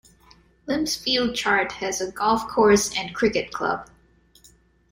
Limpsfield Chart has a golf course and cricket club.